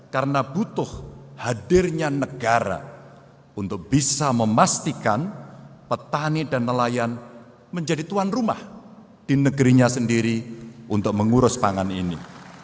karena butuh hadirnya negara untuk bisa memastikan petani dan nelayan menjadi tuan rumah di negerinya sendiri untuk mengurus pangan ini